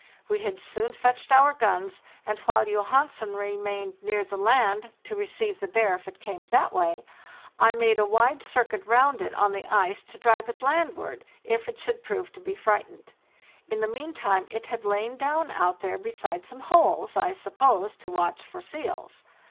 We had soon fetched our guns, and while Johansen remained near the land to receive the bear if it caine that way, I made a wide circuit round it on the ice to drive it landward, if it should prove to be frightened. In the meantime, it had lain down out there beside some holes, I suppose to watch for seals.